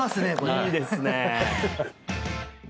いいですね